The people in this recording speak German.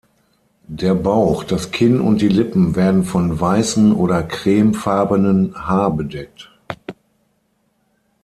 Der Bauch, das Kinn und die Lippen werden von weißen oder cremefarbenen Haar bedeckt.